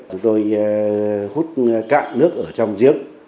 chúng tôi hút cạn nước ở trong giếng